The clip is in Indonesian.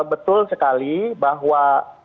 betul sekali bahwa